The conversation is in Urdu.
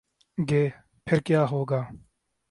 گے، پھر کیا ہو گا؟